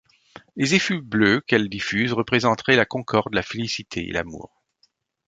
Les effluves bleus qu'elle diffuse représenteraient la concorde, la félicité et l'amour.